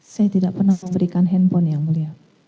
saya tidak pernah memberikan handphone yang mulia